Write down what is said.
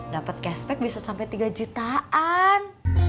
dapet cashback bisa sampe tiga jutaan